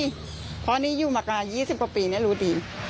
เพราะนี่อยู่มากัน๒๐กว่าปีนี้รู้ดี